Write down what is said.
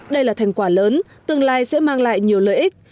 đây là thành quả lớn tương lai sẽ mang lại nhiều lợi ích